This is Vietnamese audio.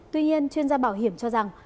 tuy nhiên chuyên gia bảo hiểm cho rằng